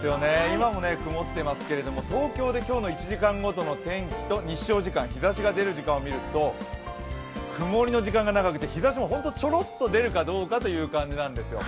今も曇っていますけど、東京で今日の１時間ごとの天気と日ざしが出る時間をみると曇りの時間が長くて、日ざしも本当にちょろっと出るかどうかという感じなんですよ。